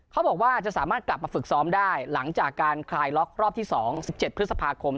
เขาบอกว่าจะสามารถกลับมาฝึกซ้อมได้หลังจากการคลายล็อกรอบที่๒๑๗พฤษภาคม